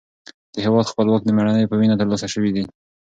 د هېواد خپلواکي د مېړنیو په وینه ترلاسه شوې ده.